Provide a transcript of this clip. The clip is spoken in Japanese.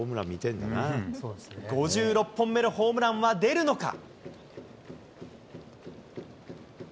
５６本目のホームランは出るのか？